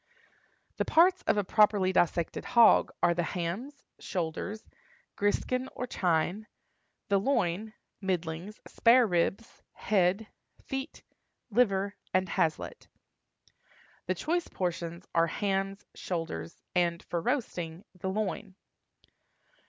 The parts of a properly dissected hog are the hams, shoulders, griskin or chine, the loin, middlings, spare ribs, head, feet, liver, and haslet. The choice portions are hams, shoulders, and, for roasting, the loin.